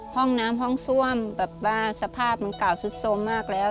ห้องน้ำห้องซ่วมแบบว่าสภาพมันเก่าสุดโทรมมากแล้ว